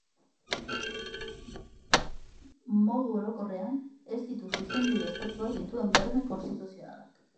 Modu orokorrean, ez ditu Zuzenbide estatuak dituen berme konstituzionalak.